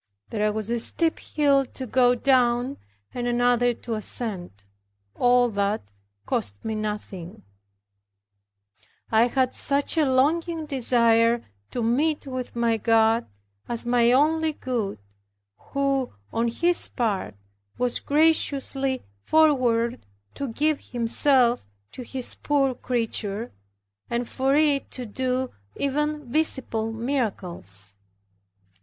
There was a steep hill to go down and another to ascend. All that cost me nothing; I had such a longing desire to meet with my God, as my only good, who on His part was graciously forward to give Himself to His poor creature, and for it to do even visible miracles.